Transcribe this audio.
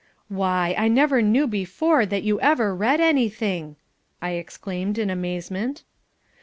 "Why! I never knew before that you ever read anything!" I exclaimed in amazement.